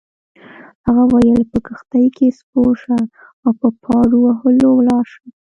هغه وویل: په کښتۍ کي سپور شه او په پارو وهلو ولاړ شه.